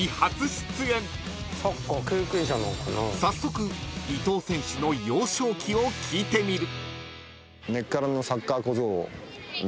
［早速伊東選手の幼少期を聞いてみる］